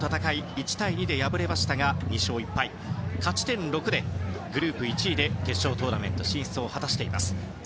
１対２で敗れましたが２勝１敗、勝ち点６でグループ１位で決勝トーナメント進出を果たしています。